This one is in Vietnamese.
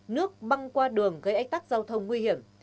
nước băng qua đường gây ách tắc giao thông nguy hiểm